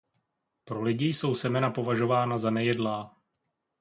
Pro lidi jsou semena považována za nejedlá.